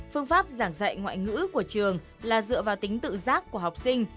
phương pháp giảng dạy ngoại ngữ của trường là dựa vào tính tự giác của học sinh